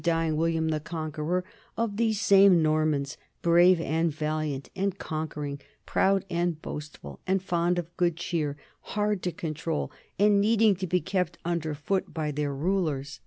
NORMANDY IN HISTORY 15 queror, of these same Normans brave and valiant and conquering, proud and boastful and fond of good cheer, hard to control and needing to be kept under foot by their rulers.